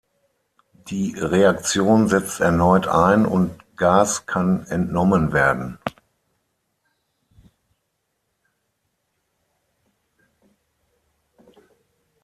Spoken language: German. Die Reaktion setzt erneut ein und Gas kann entnommen werden.